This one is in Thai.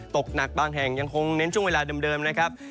ตกหนักบางแห่งยังคงเน้นช่วงเวลาเดิมนะครับ